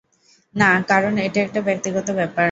না, কারণ এটা একটা ব্যক্তিগত ব্যাপার।